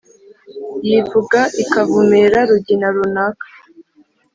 yivuga ikavumera rugina runaka.